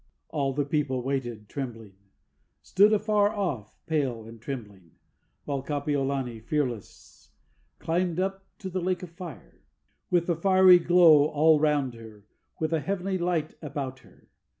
All the people waited trembling, stood afar off pale and trembling, While Kapiolani, fearless, climbed up to the lake of fire, With the fiery glow all round her, with a heavenly light about her.